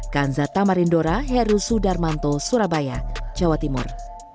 kanzata marindora heru sudarmanto surabaya jawa timur